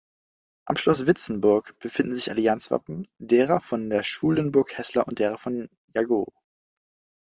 Am Schloss Vitzenburg befinden sich Allianzwappen derer von der Schulenburg-Heßler und derer von Jagow.